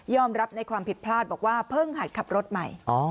รับในความผิดพลาดบอกว่าเพิ่งหัดขับรถใหม่